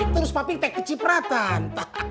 terus papi teg kecipratan